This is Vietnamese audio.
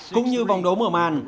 cũng như vòng đấu mở màn